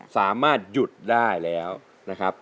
สามารถหยุดได้แล้วนะครับ